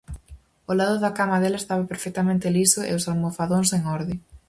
O lado da cama dela estaba perfectamente liso e os almofadóns en orde.